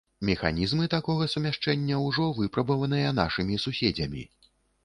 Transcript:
Механізмы такога сумяшчэння ўжо выпрабаваныя нашымі суседзямі.